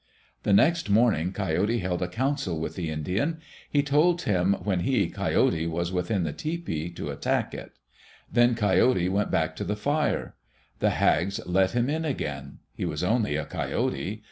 The next morning Coyote held a council with the Indian. He told him when he, Coyote, was within the tepee, to attack it. Then Coyote went back to the fire. The hags let him in again. He was only a Coyote.